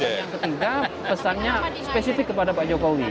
yang ketiga pesannya spesifik kepada pak jokowi